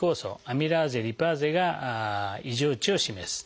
アミラーゼリパーゼが異常値を示す。